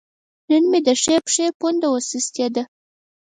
نن مې د ښۍ پښې پونده وسستې ده